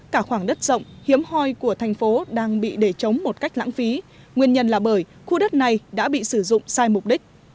cả khoảng đất rộng hiếm hoi của thành phố đang bị để chống một cách lãng phí nguyên nhân là bởi khu đất này đã bị sử dụng sai mục đích